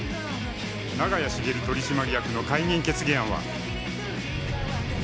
長屋茂取締役の解任決議案は。